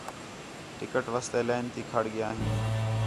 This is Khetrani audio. ٹِکٹ واسطے لائن تھی کھڑ ڳِیا ہیں